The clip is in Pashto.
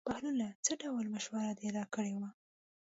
بهلوله څه ډول مشوره دې راکړې وه.